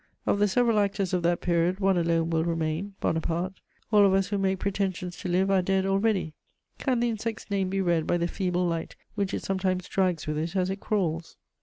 Of the several actors of that period, one alone will remain: Bonaparte. All of us who make pretensions to live are dead already: can the insect's name be read by the feeble light which it sometimes drags with it as it crawls?